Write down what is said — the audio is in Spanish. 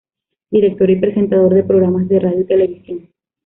Director y presentador de programas de radio y televisión.